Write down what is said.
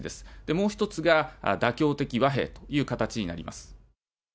もう１つが妥協的和平という形になります。